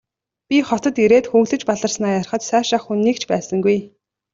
Би хотод ирээд хөглөж баларснаа ярихад сайшаах хүн нэг ч байсангүй.